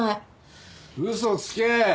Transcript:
嘘つけ。